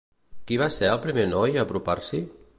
Qui va ser el primer noi a apropar-s'hi?